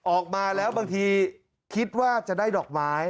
ออกมาแล้วบางทีคิดว่าจะได้ดอกไม้